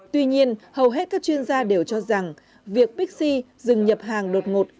tuy nhiên hầu hết các chuyên gia đều cho rằng việc pixi dừng nhập hàng đột ngột